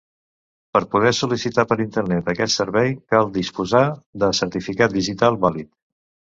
Per poder sol·licitar per Internet aquest servei cal disposar de certificat digital vàlid.